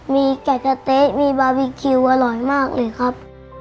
มีไก่สะเต๊ะมีบาร์บีคิวอร่อยมากเลยครับ